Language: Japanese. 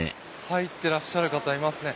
入ってらっしゃる方いますね。